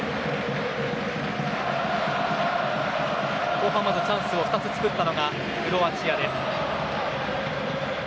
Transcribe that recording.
後半、まずチャンスを２つ作ったのがクロアチアです。